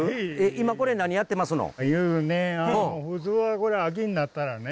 今これ何やってますのん？